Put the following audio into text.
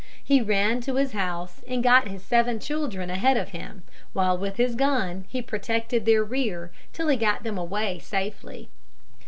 He ran to his house and got his seven children ahead of him, while with his gun he protected their rear till he got them away safely.